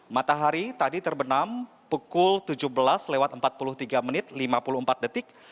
matahari tadi terbenam pukul tujuh belas lewat empat puluh tiga menit lima puluh empat detik